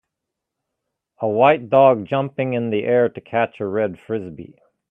a white dog jumping in the air to catch a red Frisbee.